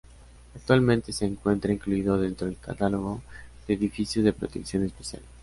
Actualmente se encuentra incluido dentro del catálogo de edificios de protección especial.